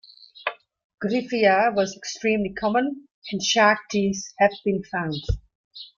"Gryphaea" was extremely common, and shark teeth have been found.